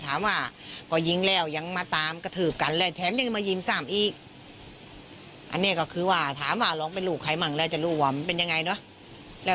น่าจะเป็นคู่อาริตที่มีเรื่องบาดม้างกันมาก่อนนะคะ